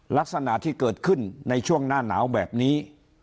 ลักษณะที่เกิดขึ้นในช่วงหน้าหนาวแบบนี้